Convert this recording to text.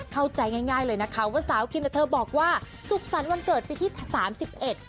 เข้าใจง่ายง่ายเลยนะคะว่าสาวคิมเธอบอกว่าสุขสรรค์วันเกิดปีที่สามสิบเอ็ด